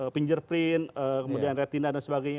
fingerprint kemudian retina dan sebagainya